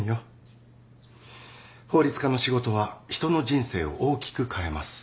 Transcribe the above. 法律家の仕事は人の人生を大きく変えます。